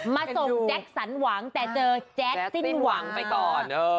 มาส่งแจ็คสันหวังแต่เจอแจ๊ดสิ้นหวังไปก่อน